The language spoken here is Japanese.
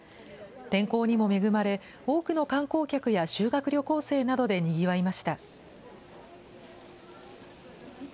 天候にも恵まれ、多くの観光客や修学旅行生などでにぎわいました。